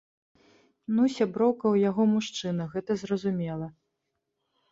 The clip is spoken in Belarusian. Ну, сяброўка ў яго мужчына, гэта зразумела.